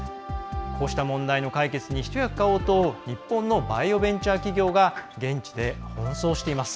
こうした問題の解決に一役買おうと日本のバイオベンチャー企業が現地で奔走しています。